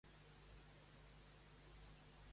Qui està capacitat per demanar la Braille?